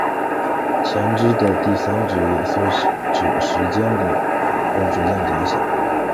前肢的第三指也随者时间而逐渐缩小。